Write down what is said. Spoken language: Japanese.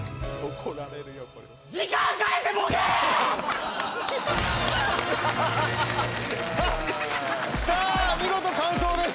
これさあ見事完奏です